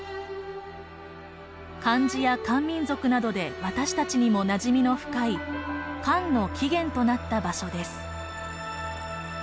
漢字や漢民族などで私たちにもなじみの深い「漢」の起源となった場所です。